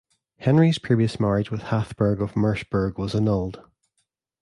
Henry's previous marriage with Hatheburg of Merseburg was annulled.